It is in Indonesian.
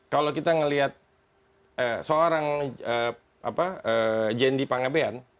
kalau kita melihat seorang jendi pangabean